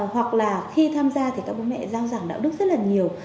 hoặc là khi tham gia thì các bố mẹ giao giảng đạo đức rất là nhiều